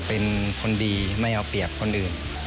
เป็นคนดีไม่เอาเปรียบคนอื่น